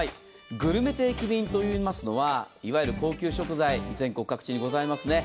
グルメ定期便というのは、全国高級食材が全国各地にございますね。